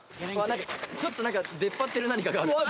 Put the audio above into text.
ちょっとなんか出っ張ってる何かがある。